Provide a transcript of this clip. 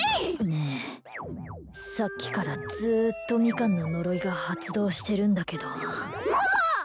ねえさっきからずっとミカンの呪いが発動してるんだけど桃！